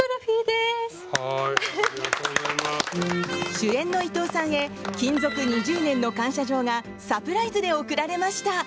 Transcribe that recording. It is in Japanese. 主演の伊東さんへ勤続２０年の感謝状がサプライズで贈られました。